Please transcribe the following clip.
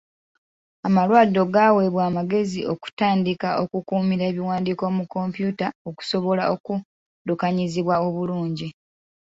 Amalwaliro gaweebwa amagezi okutandika okukuumira ebiwandiiko mu kompyuta okusobola okuddukanyizibwa obulungi.